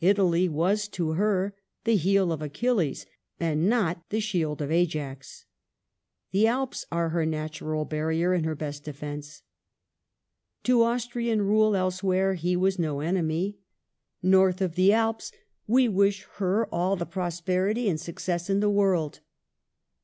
Italy was to her the heel of Achilles, and not the shield of Ajax. The Alps are her natural bamer and her best defence." ^ To Austrian rule elsewhere he was no enemy :" North of the Alps we wish her all the prosperity and success in the world